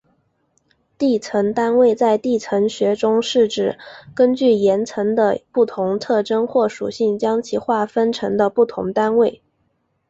地层单位在地层学中是指根据岩层的不同特征或属性将其划分成的不同单位。